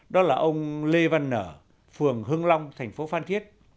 đó là ông lê văn nở phường hưng long thành phố phan thiết